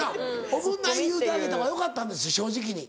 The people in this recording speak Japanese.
おもんない言うてあげた方がよかったんです正直に。